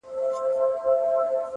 پوه انسان د پوښتنو قدر کوي؛